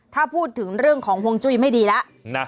ถ้าพูดถึงเรื่องของฮวงจุ้ยไม่ดีแล้ว